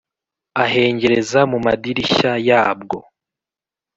ahengereza mu madirishya yabwo,